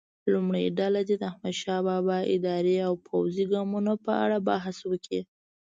لومړۍ ډله دې د احمدشاه بابا اداري او پوځي ګامونو په اړه بحث وکړي.